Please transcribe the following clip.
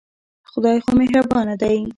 خدای خو مهربانه دی.